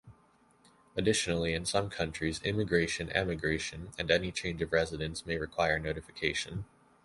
Additionally, in some countries, immigration, emigration, and any change of residence may require notification.